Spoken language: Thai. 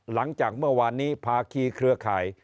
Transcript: หลังจากเมื่อวานนี้ภาคีเครือข่าย